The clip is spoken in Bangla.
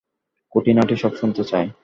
খুঁটিনাটি সব শুনতে চাই।